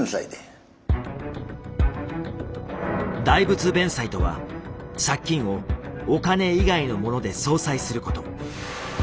代物弁済とは借金をお金以外のもので相殺すること。